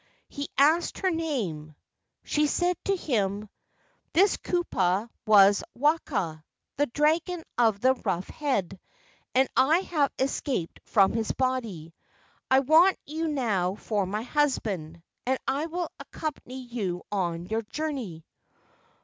He asked her name. She said to him: "This kupua was Waka, the dragon of the rough head, and I have escaped from his body. I want you now for my husband, and I will accompany you on your journey."